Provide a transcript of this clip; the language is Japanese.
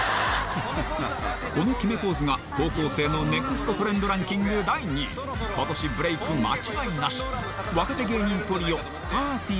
この決めポーズが高校生のネクストトレンドランキング第２位今年ブレイク間違いなし若手芸人トリオぱーてぃ